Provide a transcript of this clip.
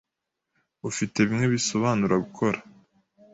Ufite bimwe bisobanura gukora.